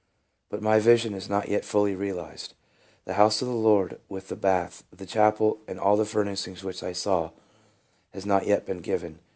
But my vision is not yet fully realized. The house of the Lord, with the bath, the chapel, and all the furnishings which I saw, has not yet been given.